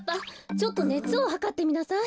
ちょっとねつをはかってみなさい。